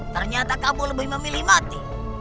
ternyata kapu lebih memilih mati